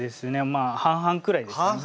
まあ半々くらいですね